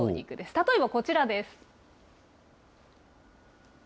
例えばこちらです。